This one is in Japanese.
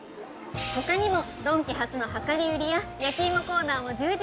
他にもドンキ初の量り売りや焼き芋コーナーも充実。